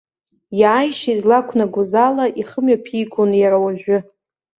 Иааишьа излақәнагоз ала ихы мҩаԥигон иара уажәы.